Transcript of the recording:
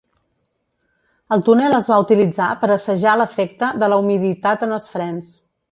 El túnel es va utilitzar per assajar l'efecte de la humiditat en els frens.